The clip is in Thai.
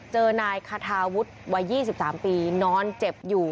เจอนายคาทาวุฒิวัยยี่สิบสามปีนอนเจ็บอยู่